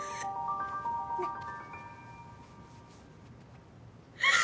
ねっ。